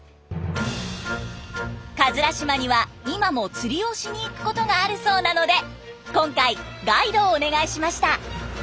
島には今も釣りをしにいくことがあるそうなので今回ガイドをお願いしました。